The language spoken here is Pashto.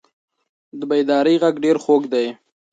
د بیدارۍ غږ ډېر خوږ دی.